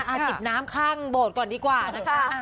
จิบน้ำข้างโบสถ์ก่อนดีกว่านะคะ